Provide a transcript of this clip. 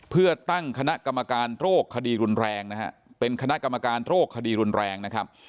เพื่อตั้งคณะกรรมการโรคคดีรุนแรงนะฮะเป็นคณะกรรมการโรคคดีรุนแรงนะครับ